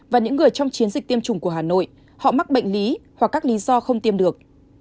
và những người trong chiến dịch tiêm chủng của hà nội họ mắc bệnh lý hoặc các lý do không tiêm được